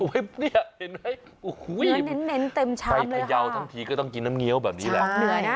เห็นไหมไปพยาวทั้งทีก็ต้องกินน้ำเงี้ยวแบบนี้แหละ